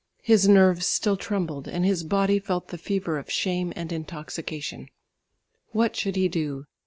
His nerves still trembled and his body felt the fever of shame and intoxication. What should he do?